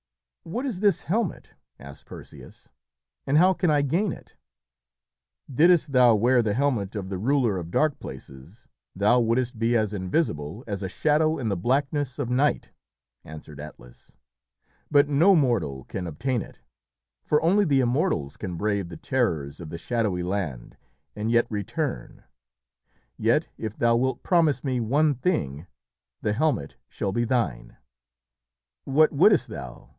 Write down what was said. "What is this helmet?" asked Perseus, "and how can I gain it?" "Didst thou wear the helmet of the ruler of Dark Places, thou wouldst be as invisible as a shadow in the blackness of night," answered Atlas; "but no mortal can obtain it, for only the Immortals can brave the terrors of the Shadowy Land and yet return; yet if thou wilt promise me one thing, the helmet shall be thine." "What wouldst thou?"